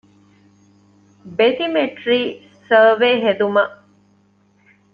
ބެތިމެޓްރީ ސަރވޭ ހެދުމަށް